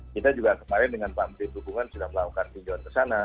kita juga kemarin dengan pak menteri perhubungan sudah melakukan pinjauan ke sana